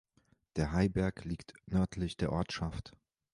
Der Heiberg liegt nördlich der Ortschaft.